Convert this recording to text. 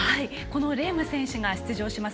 レーム選手が出場します